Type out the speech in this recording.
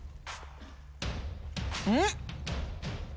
うん！